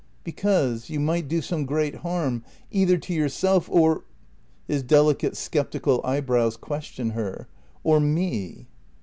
"Because you might do some great harm either to yourself or " His delicate, sceptical eyebrows questioned her. "Or me."